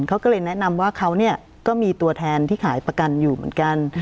เขาก็เลยแนะนำว่าเขาก็มีตัวแทนที่ขายประกันอยู่เหมือนกัน